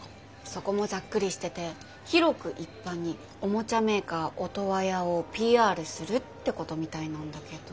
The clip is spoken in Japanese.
そこもざっくりしてて広く一般におもちゃメーカーオトワヤをＰＲするってことみたいなんだけど。